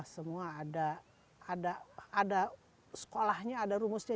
semua ada sekolahnya ada rumusnya